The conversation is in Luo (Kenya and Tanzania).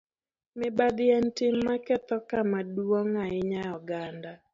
Mibadhi en tim ma ketho kama duong' ahinya e oganda..